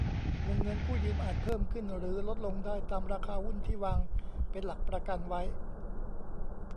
วงเงินกู้ยืมอาจเพิ่มขึ้นหรือลดลงได้ตามราคาหุ้นที่วางเป็นหลักประกันไว้